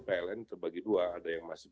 pln terbagi dua ada yang masih